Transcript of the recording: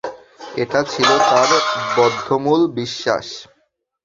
এটা ছিল তার বদ্ধমূল বিশ্বাস।